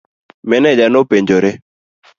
Maneja nopenjore.